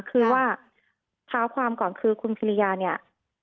คือว่าเท้าความก่อนคือคุณกิริยาเนี่ย